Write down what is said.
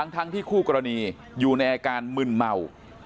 ทั้งที่คู่กรณีอยู่ในอาการมึนเมา